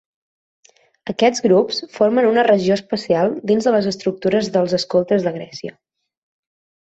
Aquests grups formen una regió especial dins de les estructures dels Escoltes de Grècia.